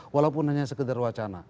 walaupun hanya sekedar wacana